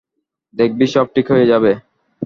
দেখবি, সব ঠিক হয়ে যাবে।